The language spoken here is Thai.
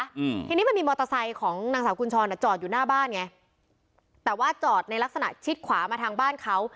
อืมทีนี้มันมีมอเตอร์ไซค์ของนางสาวกุญชรอ่ะจอดอยู่หน้าบ้านไงแต่ว่าจอดในลักษณะชิดขวามาทางบ้านเขา